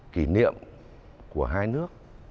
kỷ niệm của hai nước